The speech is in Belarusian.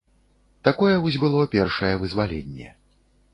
Такое вось было першае вызваленне.